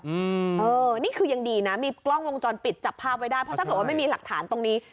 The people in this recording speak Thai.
อืมเออนี่คือยังดีนะมีกล้องวงจรปิดจับภาพไว้ได้เพราะถ้าเกิดว่าไม่มีหลักฐานตรงนี้